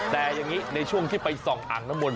แต่อย่างนี้ในช่วงที่ไปส่องอ่างน้ำมนต